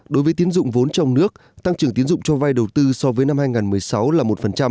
đối với tiến dụng vốn trong nước tăng trưởng tiến dụng cho vay đầu tư so với năm hai nghìn một mươi sáu là một